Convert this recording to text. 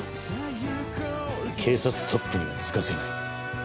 警察トップには就かせない。